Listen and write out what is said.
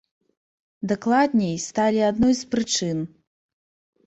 Дакладней, сталі адной з прычын.